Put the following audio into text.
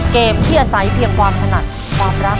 เกมที่อาศัยเพียงความถนัดความรัก